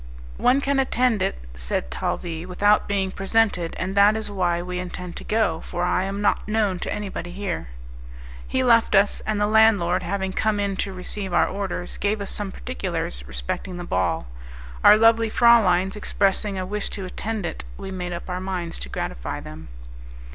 "One can attend it," said Talvis, "without being presented, and that is why we intend to go, for I am not known to anybody here." He left us, and the landlord, having come in to receive our orders, gave us some particulars respecting the ball. Our lovely frauleins expressing a wish to attend it, we made up our minds to gratify them.